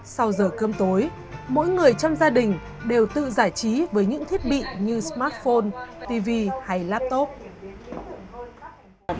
sau giờ cơm tối mỗi người trong gia đình đều tự giải trí với những thiết bị như smartphone tv hay laptop